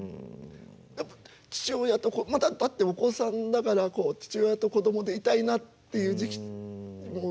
やっぱ父親と子だってお子さんだからこう父親と子供でいたいなっていう時期。